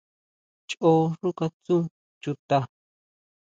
Chon xú jaʼa tsú chuta.